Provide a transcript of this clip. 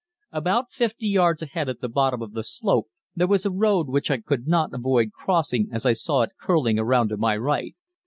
About 50 yards ahead at the bottom of the slope there was a road which I could not avoid crossing as I saw it curling around to my right.